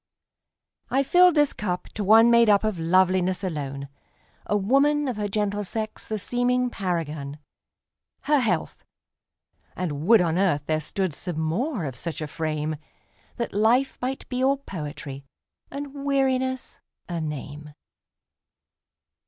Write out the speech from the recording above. I filled this cup to one made up of loveliness alone,A woman, of her gentle sex the seeming paragon—Her health! and would on earth there stood some more of such a frame, That life might be all poetry, and weariness a name.